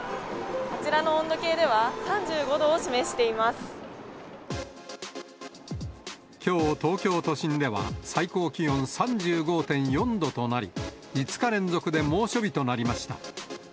あちらの温度計では、きょう、東京都心では、最高気温３５．４度となり、５日連続で猛暑日となりました。